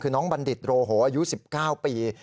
คือน้องบัณฑิตโรโหอายุ๑๙ปี